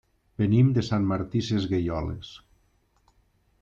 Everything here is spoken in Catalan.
Venim de Sant Martí Sesgueioles.